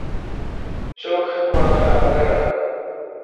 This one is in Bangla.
চোখ বাঁধা হাঁদারাম?